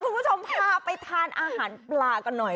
คุณผู้ชมพาไปทานอาหารปลากันหน่อย